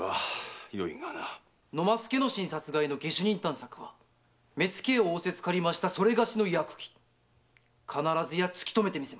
野間助之進殺害の下手人探索は目付を仰せつかりましたそれがしの役儀必ずや突き止めます。